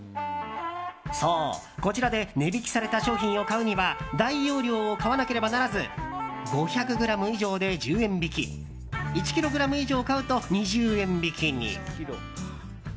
そう、こちらで値引きされた商品を買うには大容量を買わなければならず５００ｇ以上で１０円引き１ｋｇ以上買うと２０円引きに。